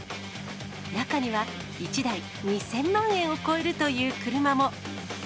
中には１台２０００万円を超えるという車も。